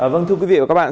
vâng thưa quý vị và các bạn